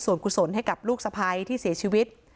ส่วนกุศลให้กับลูกสะพ้ายที่เสียชีวิต